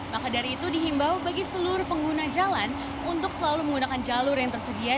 maka dari itu dihimbau bagi seluruh pengguna jalan untuk selalu menggunakan jalur yang tersedia